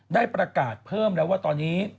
ได้ประกาศเพิ่มแล้วว่าตอนนี้